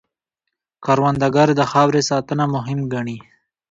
کروندګر د خاورې ساتنه مهم ګڼي